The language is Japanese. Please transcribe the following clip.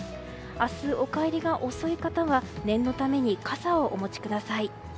明日、お帰りが遅い方は念のために傘をお持ちください。